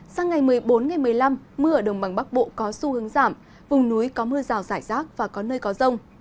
sang ngày một mươi bốn ngày một mươi năm mưa ở đồng bằng bắc bộ có xu hướng giảm vùng núi có mưa rào rải rác và có nơi có rông